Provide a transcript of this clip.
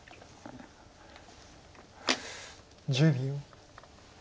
１０秒。